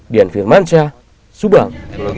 dian firmanca subang